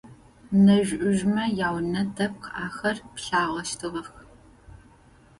Нэжъ-ӏужъмэ яунэ дэпкъ ахэр пылъагъэщтыгъэх.